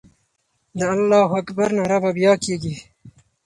د الله اکبر ناره به بیا کېږي.